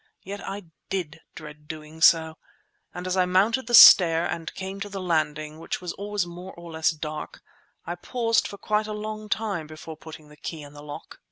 Yet I did dread doing so! And as I mounted the stair and came to the landing, which was always more or less dark, I paused for quite a long time before putting the key in the lock.